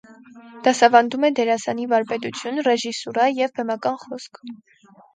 Դասավանդում է դերասանի վարպետություն, ռեժիսուրա և բեմական խոսք։